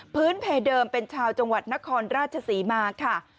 เพเดิมเป็นชาวจังหวัดนครราชศรีมาค่ะ